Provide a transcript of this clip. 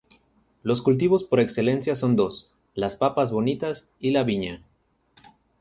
Los cultivos por excelencia son dos; las papas bonitas y la viña.